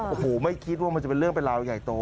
โอ้โหไม่คิดว่ามันจะเป็นเรื่องเป็นราวใหญ่โต